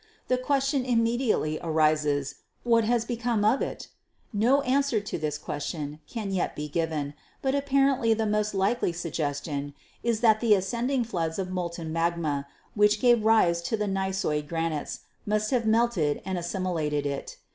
The question immediately arises, What has become of it? No answer to this ques tion can yet be given, but apparently the most likely sug gestion is that the ascending floods of molten magma, which gave rise to the gneissoid granites, must have melted and assimilated it.